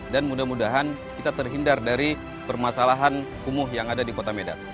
dan mudah mudahan kita terhindar dari permasalahan kumuh yang ada di kota medan